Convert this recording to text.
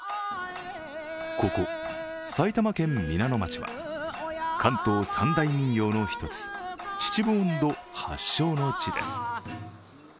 ここ、埼玉県皆野町は、関東三大民謡の一つ、秩父音頭発祥の地です。